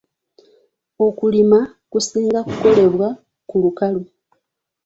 Okulima kusinga ku kolebwa ku lukalu.